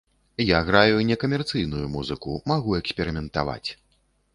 Я граю не камерцыйную музыку, магу эксперыментаваць.